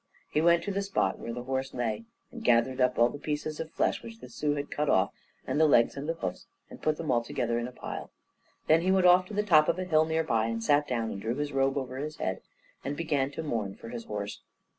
He went to the spot where the horse lay, and gathered up all the pieces of flesh, which the Sioux had cut off, and the legs and the hoofs, and put them all together in a pile. Then he went off to the top of a hill near by, and sat down and drew his robe over his head, and began to mourn for his horse.